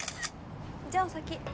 じゃあお先。